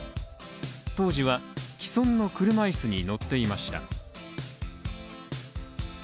当時は既存の車いすに乗っていました。